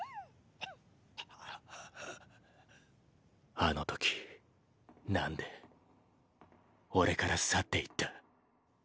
あの時何で俺から去って行った？